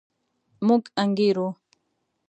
موږ انګېرو.